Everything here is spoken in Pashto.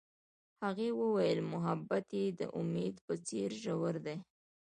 هغې وویل محبت یې د امید په څېر ژور دی.